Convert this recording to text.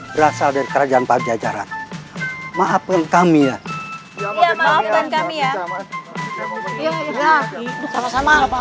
berasal dari kerajaan pajajaran maafkan kami ya maafkan kami ya sama sama